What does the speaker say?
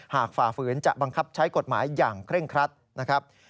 ฝ่าฝืนจะบังคับใช้กฎหมายอย่างเคร่งครัดนะครับ